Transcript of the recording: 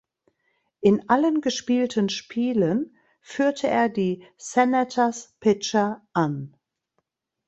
In allen gespielten Spielen führte er die Senators Pitcher an.